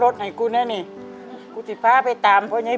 เดิน